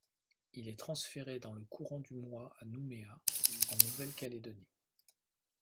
Il est transféré dans le courant du mois à Nouméa en Nouvelle-Calédonie.